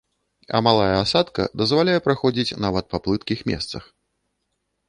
А малая асадка дазваляе праходзіць нават па плыткіх месцах.